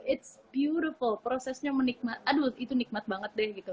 it's beautiful prosesnya menikmat aduh itu nikmat banget deh gitu